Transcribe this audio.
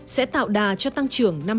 sẽ tạo đà cho tăng trưởng